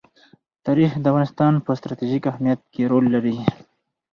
تاریخ د افغانستان په ستراتیژیک اهمیت کې رول لري.